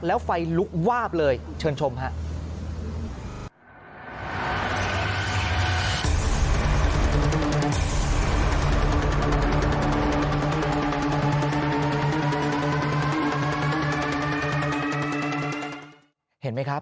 แล้วไฟลุกวาบเลยเชิญชมครับ